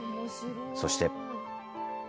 そして。